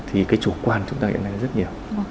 thì cái chủ quan chúng ta hiện nay rất nhiều